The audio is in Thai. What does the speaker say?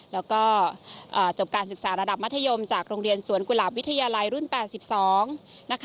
แล้วก็จบการศึกษาระดับมัธยมจากโรงเรียนสวนกุหลาบวิทยาลัยรุ่น๘๒นะคะ